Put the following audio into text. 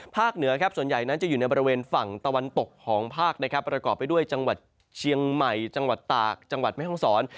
เหนือครับส่วนใหญ่นั้นจะอยู่ในบริเวณฝั่งตะวันตกของภาคนะครับประกอบไปด้วยจังหวัดเชียงใหม่จังหวัดตากจังหวัดแม่ห้องศร